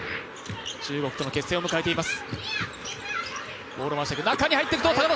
中国との決戦を迎えています。